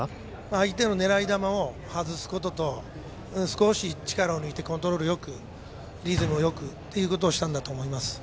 相手の狙い球を外すことと少し力を抜いてコントロールよくリズムよくということをしたんだと思います。